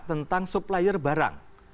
tentang supplier barang